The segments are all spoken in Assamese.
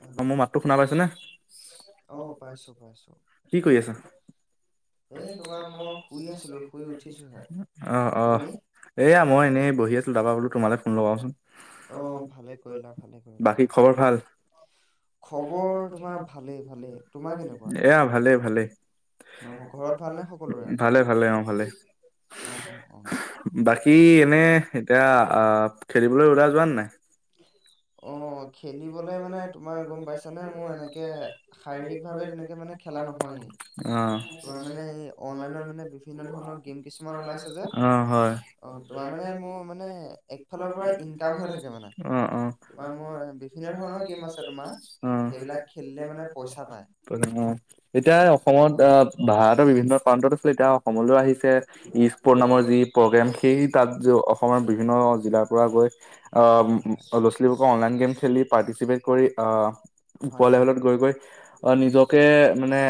হেল্ল' মোৰ মাতটো শুনা পাইছে নে? অ পাইছো পাইছো কি কৰি আছা? এই তোমাৰ মই শুই আছিলো শুই উঠিছোহে অহ, অহ। তুমি এয়া মই এনেই বহি আছিলোঁ। তাৰপৰা বোলো মই তোমালৈ ফোন লগাওছোন। অ ভালে কৰিলা ভালে কৰিলা বাকী খবৰ ভাল? খবৰ তোমাৰ ভালেই, ভালেই। তোমাৰ কেনেকুৱা? ভালে, ভালে। অ', ঘৰত ভালনে সকলোৰে? ভালে অ', ভালে। অ', অ', অ'। বাকী এনে এতিয়া আ, খেলিবলৈ ওলাই যোৱা নাই? অ', খেলিবলৈ মানে তোমাৰ গম পাইছানে! মোৰ এনেকে শাৰীৰিকভাৱে তেনেকে মানে খেলা নহয়েই। অ'। তোমাৰ মানে এই অনলাইনত মানে বিভিন্ন ধৰণৰ গেম কিছুমান ওলাইছে যে অ', হয়। অ তোমাৰ মানে মোৰ মানে একফালৰ পৰা ইনকাম হৈ থাকে মানে অ', অ'। তোমাৰ মই বিভিন্ন ধৰণৰ অ'। গেম আছে তোমাৰ সেইবিলাক খেলিলে মানে পইচা পায় অ', এতিয়া অসমত অ', ভাৰতৰ বিভিন্ন প্ৰান্তত আছিলে। এতিয়া অসমলৈ আহিছে। ইফ পনামৰ যি প্ৰগ্ৰেম, সেই তাত য, অসমৰ বিভিন্ন জিলাৰ পৰা গৈ আ, ল'ৰা-ছোৱালী অনলাইন গেম খেলি, পাৰ্টিচিপেট কৰি, আহ, ওপৰৰ লেভেলত গৈ গৈ নিজকে মানে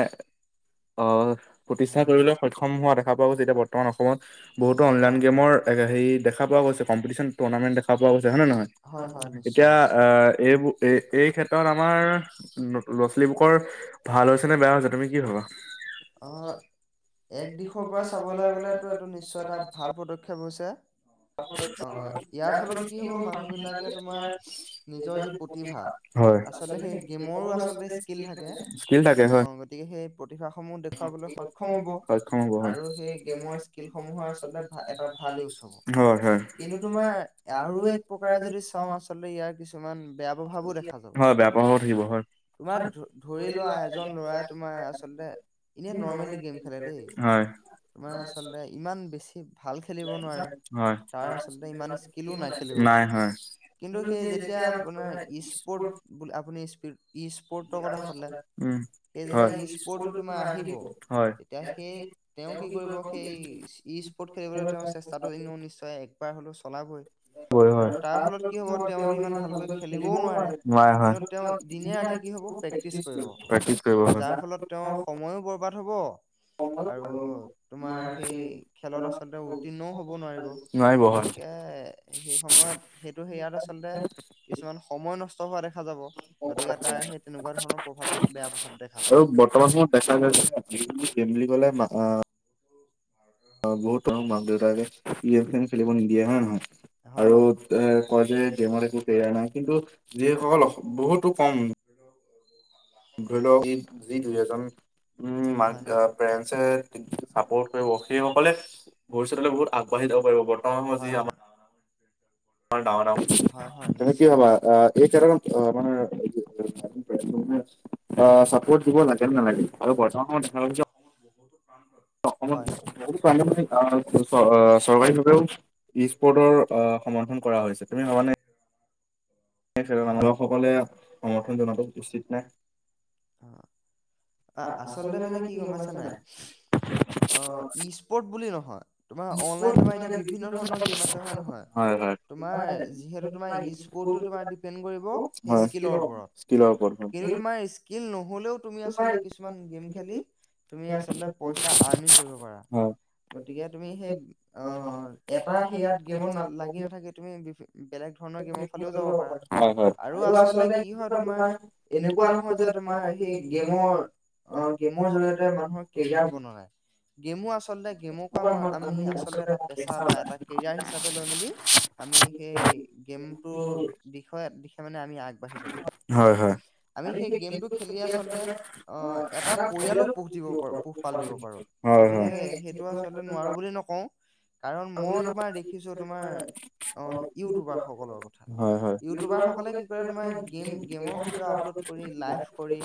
অ', প্ৰতিষ্ঠা কৰিবলৈ সক্ষম হোৱা দেখা পোৱা গৈছে। এতিয়া বৰ্তমান অসমত বহুতো অনলাইন গেমৰ হেৰি দেখা পোৱা গৈছে। কম্পিটিছন টুৰ্ণামেণ্ট দেখা পোৱা গৈছে। হয় নে নহয়? হয় হয় নিশ্চয় এতিয়া আ, এইবোৰ এই, এই ক্ষেত্ৰত আমাৰ ল'ৰা ছোৱালীবুকৰ ভাল হৈছে নে, বেয়া হৈছে তুমি কি ভাবা? অ। এক দিশৰ পৰা চাবলৈ গ'লেতো এইটো নিশ্চয় এটা ভাল পদক্ষেপ হৈছে। অ ইয়াৰ ফলত কি হ'ব মানুহ বিলাকে তোমাৰ নিজৰ যি প্ৰতিভা হয় আচলতে সেই গেমৰো আচলতে স্কিল থাকে। স্কিল থাকে হয়। অ গতিকে সেই প্ৰতিভাসমূহ দেখুৱাবলৈ সক্ষম হ'ব সক্ষম হ'ব হয়। আৰু সেই গেমৰ স্কিলসমূহৰ আচলতে এটা ভাল ইউজ হ'ব। হয় হয় কিন্তু তোমাৰ আৰু এক প্ৰকাৰে যদি চাওঁ আচ আচলতে ইয়াৰ কিছুমান বেয়া প্ৰভাৱো দেখা যাব। হয় বেয়া পাব থাকিব হয় তোমাৰ ধৰি লোৱা এজন লৰাই তোমাৰ আচল লে এনে নৰ্মেলি গেম খেলে দেই। হয় তোমাৰ আচলতে ইমান বেছি ভাল খেলিব নোৱাৰে। হয় তাৰ আচলতে ইমান স্কিলো নাই খেলিব পৰা। কিন্তু সেই যেতিয়া আপোনাৰ স্পৰ্ট আপুনি স্প পত কথা শুলে, উম। সেই যেতিয়া হয় ইছ কৌতো তোমাৰ আহিব, হয়। তেতিয়া সেই তেওঁ কি কৰিব সেই ইছ স্পৰ্ট খেলিবলৈ তেওঁৰ চেষ্টাটোও নিশ্চয় একবাৰ হলেও চলাবই। আৰু হয়। তাৰ ফলত কি হ'ব তেওঁতো ইমান ভালকৈ খেলিবও নোৱাৰে কিন্তু তেওঁ দিনে ৰাতি কি হ'ব প্ৰেক্টিছ কৰিব প্ৰেক্টিচ কৰিব হয় যাৰ ফলত তেওঁ অ সময়ো বৰবাদ হ'ব। আৰু তোমাৰ সেই খেলত আচলতে উত্তীৰ্ণও হ'ব নোৱাৰিব। নোৱাৰিব হয়। গতিকে সেই সময়ত সেইটো হেৰিয়াত আচলতে কিছুমান সময় নষ্ট হোৱা দেখা যাব, গতিকে তাৰ সেই তেনেকুৱা ধৰণৰ প্ৰভাৱ বেয়া প্ৰভাৱ দেখা যাব। পেছা জাছ [inaudible] বুলি ক'লে [unintelligible] বহুতক মাক দেউতাকে ইফএন খেলিব নিদিয়ে হয় নে নহয়? হয় আৰু হয়। এ কয় যে গেমত একো কেয়াৰ নাই কিন্তু যিসকল বহুতো কম ধৰিল ই যি দুই এজন উ মাক হয় পেৰেন্সে চাপৰ্ট কৰিব সেই সকলে ভৱষ্যতলৈ বহুত আগ বাঢ়ি যাব পাৰিব, বৰ্তমান সময় যি আম [inaudible] ইমান ডাঙৰ হয় হয় ডাঙৰ তুমি কি নিশ্চয় ভাবা নিশ্চয়। এই কে অ মানে [inaudible] আ চাপ্ৰত দিব লাগ নে নালাগে আৰু বৰ্তমান দেখা [inaudible] অসমৰ বহুতো প্ৰান্তত অসমত বহুতো প্ৰান্তত আ অঁ চৰকাৰী ভাৱেও ইফ কৌতৰ সমৰ্থন কৰা হৈছে, তুমি ভাবা নে [inaudible] হয় যোগ সকলে সমৰ্থন জনাটো উচিত নে? অ আচলতে মানে কি গম পাইছ নাই, অ ইছ কৌট বুলি নহয় তোমাৰ অনলাইন তোমাৰ এতিয়া বিভিন্ন ধৰণৰ গেম আছে হয় নহয়, হয় হয় তোমাৰ যিহেতু তোমাৰ ইছ কৌতটো তোমাৰ দ্বিপেন কৰিব সেই হয় স্কিলৰ স্কিলৰ ওপৰত ওপৰত কিন্তু তমাৰ স্কিল ন'লেও তুমি আচলতে কিছুমান গেম খেলি তুমি আচলতে পইচা আৰ্নিং কৰিব পাৰা। হয় গতিকে তুমি সেই অ এটা সেয়াত গেমত ন লাগি নাথাকে তুমি বি বেলেগ ধৰণৰ গেমৰ ফালেও যাব পাৰা হয় হয় আৰু আচলতে কি হয় তোমাৰ এনেকুৱা নহয় যাত তোমাৰ সেই গেমৰ অ গেমৰ জৰিয়তে মানুহৰ কেৰিয়াৰ বনোয়া নাই। গেমো আচলতে গেমকো আমি আচলতে এটা পেছা বা এটা কেৰিয়াৰ হিচাপে লৈ মেলি আমি সেই গেমটোৰ বিষয়ত দিশেৱ মানে আমি আগ আগ বাঢ়ি যাব পাৰোঁ, হয় হয় আমি সেই গমতো- ই আচলতে অ' এটা পৰিয়ালো পোহ দিব পাৰো পোহপাল দিব পাৰো গতিকে হয় সেই- টো আচলতে নোৱাৰো বুলি নকওঁ। কাৰণ মই তোমাৰ দেখিছোঁ তোমাৰ অ' ইউটিউবাৰ সকলৰ কথা। হয় হয় হয় হয় ইউটিউবাৰ সকলে কি কৰে তোমাৰ গেম গেমৰ ভিডিঅ' আপলোড কৰি লাইভ কৰে। কৰি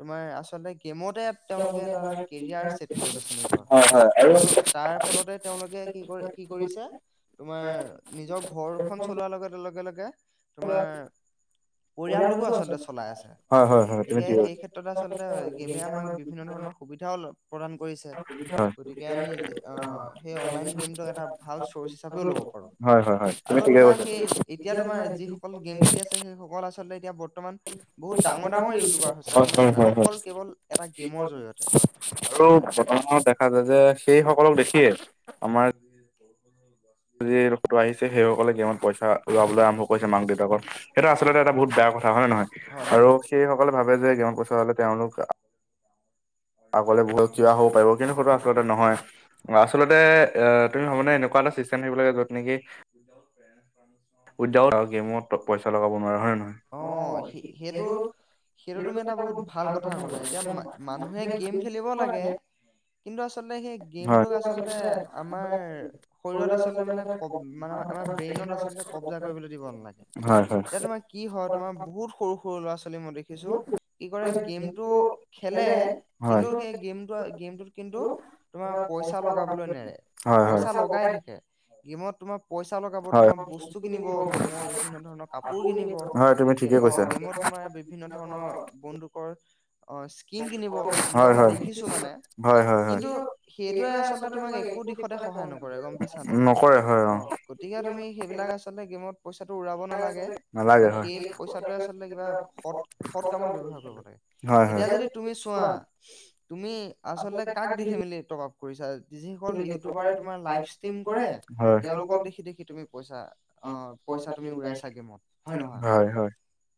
তোমাৰ আচলতে গেমতে- তেওঁলোকে এটা এটা কেৰিয়াৰ চছেট কৰি লৈছে নিজৰ আৰু তাৰ ফলতে তেওঁলোকে কি কৰি- কি কৰিছে তোমাৰ নিজৰ ঘৰখন চলোৱাৰ লগে লগে। তোমাৰ পৰিয়ালটোকো আচলতে চলাই আছে। হয় হয় হয় তুমি গতিকে ঠিক সেই ক্ষেত্ৰত আচলতে গেমে আমাক বিভিন্ন ধৰণৰ সুবিধাও অলপ- প্ৰদান কৰিছে গতিকে আমি সেই অনলাইন গেমটোক এটা ভাল চৰ্চ হিচাপেও ল'ব পাৰোঁ। হয় হয় হয় তুমি আৰু ঠিকে তোমাৰ সেই এতিয়া তোমাৰ যিসকল গেম খেলি আছে সেই সকল আছে- সেহেতে এতিয়া বৰ্তমান বহুত কৈছা ডাঙৰ- ডাঙৰ ইউটিউবাৰ হৈছে হয় গম হয় পাইছা নাই হয় হয় অকল কেৱল এটা গেমৰ জৰিয়তে। আৰু হয় বৰ্তমানত দেখা যায় যে সেই সকলক দেখিয়ে আমাৰ- আজি বৰষুণ বা- আযি ফটো আহিছে সেই সকলে গেমত পইচা উৰাবলৈ আৰম্ভ কৰিছে মাক দেউতাকৰ। সেইটো আচলতে এটা বহুত বেয়া কথা হয়ঁ নে নহয় হয় আৰু হয়। হয়। সেই সকলে ভাবে যে গেমত পইছা পালে তেওঁলোক- আগলে বহুত কিবা হ'ব পাৰিব কিন্তু সেইটো আচলতে নহয়। হয়। আচলতে অ তুমি ভাব নে এনেকুৱা এটা চিষ্টেম থাকিব লাগে যত নেকি- যেতিয়াও ফেনচ কৰা মোচন উইাউ গেমত তো পইচা লগাব নোৱাৰে হয় নে নহয়। অঁ সে সেইটো- সেইটো তুমি এটা বহুত ভাল কথা ক'লা এতিয়া মানুহে গেম খেলিব লাগে- কিন্তু আচলতে সেই নহয়? গেমটোক আচলতে আমাৰ শৰীৰত আচলতে মানে- মানে আমাৰ ব্ৰেইনত আচলতে কব্জা কৰিবলৈ দিব নালাগে হয় হয় ই তোমাৰ কি হয় তোমাৰ বহুত সৰু- সৰু ল'ৰা ছোৱালী মই দেখিছোঁ কি কৰে গেমতটো খেলে হয় কিন্তু সেই গেমটো গেমটোত- কিন্তু তোমাৰ পইচা লগাবলৈ নেৰে হয় হয় পইচা লগাই থাকে গিমত তোমাৰ- পইচা লগাব হয় হয় তোমাৰ বস্তু কিনিব গেমৰ বিভিন্ন ধৰণৰ কাপোৰ কিনিব। হয় তুমি গেম ঠিকে অঁ কৈছা গেমত তোমাৰ বিভিন্ন ধৰণৰ বন্দুকৰ- অঁ স্কিন কিনিব তেনেকুৱা হয় মই হয় দেখিছোঁ মানে হয় হয় হয় কিন্তু সেইটোৱে আচলতে তোমাক একো দি- সদায় সহায় নকৰে গম পাইছা নাই নকৰে হয় অ অঁ গতিকে তুমি সেইবিলাক আছ- আচলতে গেমত পইচাটো উৰাব নালাগে। নালাগে তই হয় সেই পইচাটোৱে আচলতে কিবা সৎ কামত ব্যৱহাৰ কৰিব লাগে হয় এতিয়া যদি তুমি চোৱা। তুমি আচলতে কাক দেখি মেলি তপা- কৰিছা যিসকল ইউটিউবাৰে তোমাৰ লাইভ ষ্টিম কৰে হয় হয় তেওঁলোকক দেখি দেখি তুমি পইচা- অঁ পইচা তুমি উৰাইচা গেমত হয় নহয়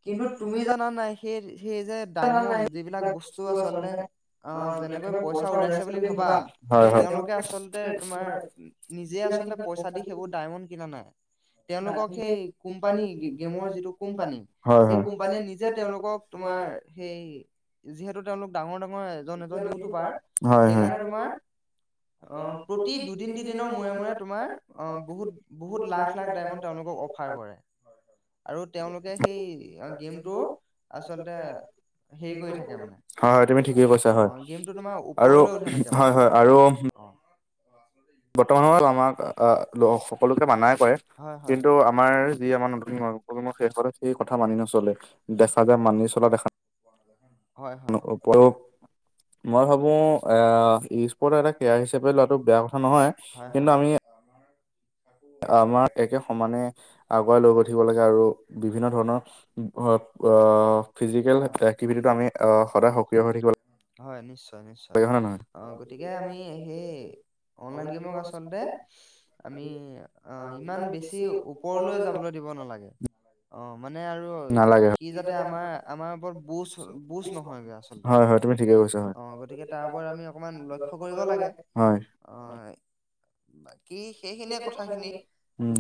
কিন্তু তুমি জা- না নাই সেই সেইয়ে যে- ডায়মণ্ড যিবিলাক বস্তু আচলতে অঁ যেনেকৈ পইচা উৰাইছে বুলি ভাবা- হয় হয় হয় হয় সেই তেওঁলোকে আচলতে তোমাৰ নিজে আচলতে পইচা দি সেইবোৰ ডায়মণ্ড কিনা নাই। তেওঁলোকক সেই কোম্পানী গিক গেমৰ যিটো কোম্পানী হয় সেই কোম্পানীয়ে নিজে তেওঁলোক তোমাৰ সেই- যিহেতু তেওঁলোক ডাঙৰ ডাঙৰ এজন এজন ইউটিউবাৰ হয় হয় সেইকাৰণে তোমাৰ- অঁ, প্ৰতি দুদিন তিনিদিনৰ মূৰে মূৰে তোমাৰ অঁ বহুত বহুত লাখ লাখ ডাইমণ্ড তেওঁলোকক অফ- ফাৰ কৰে। আৰু তেওঁলোকে সেই গেমটো আচলতে হেই কৰি থাকে মানে হয় তুমি ঠিকেই কৈছা অ', হয় অ', গেমটো তোমাৰ আৰু ওপৰলৈ উঠাই থাকে হয় মানে হয় আৰু অ'। বৰ্তমান [unintelligible] আমাক আ সকলোকে মানাই কৰে হয় হয় কিন্তু আমাৰ যি আমাৰ নতুন প্ৰজন্মৰ সেইসকলে সেই কথা মানি নচলে। দেখা যায় মানি চলা দেখা [inaudible] [inaudible] মই ভাবো এ স্পৰ্ট এটা কেয়াৰ হিচাপে লোৱাটো বেয়া কথা নহয় হয় কিন্তু হয়। আমি আমাৰ একে সমানে আগুৱাই লৈ গৈ থাকিব লাগে আৰু বিভিন্ন ধৰণৰ অ' ফিজিকেল হয় একটিভিটিটো আমি সদায় সক্ৰিয় হৈ থাকিব লা হয় নিশ্চয় নিশ্চয় অ', গতিকে আমি সেই অনলাইন গেমক আচলতে আমি ইমান বেছি ওপৰ পৰলৈ যাবলৈ দিব নালাগে। অ', মানে আৰু নালাগে সি যাতে আমাৰ আমাৰ ওপৰত বুচ বুচ নহয়গৈ আচলতে। হয় হয় তুমি ঠিকেই কৈ অ' গতিকে তাৰ ওপৰত আমি অকমান লক্ষ্য কৰিব লাগে। হয় অ' বাকী সেইখিনিয়ে কথাখিনি। উম